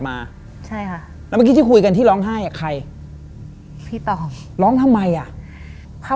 มันไม่เหมือนกันอะไรคือน้องเนี่ยครับ